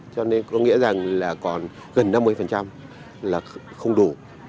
cho nên có nghĩa rằng là còn gần năm mươi là không đủ